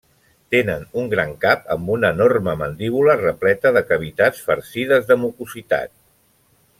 Tenen un gran cap amb una enorme mandíbula, repleta de cavitats farcides de mucositat.